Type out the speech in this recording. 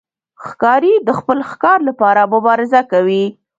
ښکاري د خپل ښکار لپاره مبارزه کوي.